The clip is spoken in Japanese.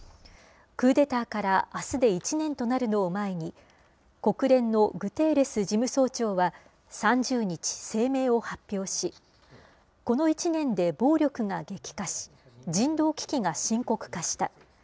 クーデターからあすで１年となるのを前に、国連のグテーレス事務総長は３０日、声明を発表し、この１年で暴力が激化し、人道危機が深刻化した。